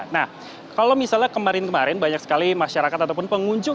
nah kalau misalnya kemarin kemarin banyak sekali masyarakat ataupun pengunjung